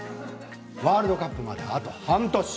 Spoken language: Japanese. ワールドカップまであと半年。